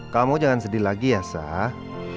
kamu jangan sedih lagi ya sah